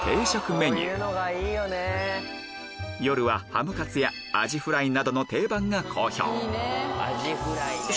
メニュー夜はハムカツやアジフライなどの定番が好評